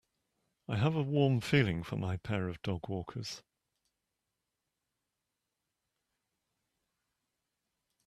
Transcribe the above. I have a warm feeling for my pair of dogwalkers.